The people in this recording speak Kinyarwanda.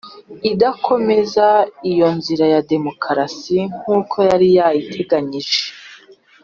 idakomeza iyo nzira ya demokarasi nk'uko yari yayiteganyije,